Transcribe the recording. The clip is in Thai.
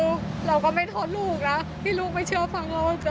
แต่ว่าเราก็ไม่ทนลูกนะที่ลูกไม่เชื่อฟังเรา